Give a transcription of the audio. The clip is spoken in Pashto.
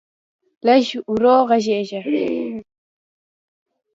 لږ ورو غږېږه.